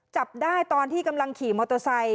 จับได้ตอนที่กำลังขี่มอเตอร์ไซค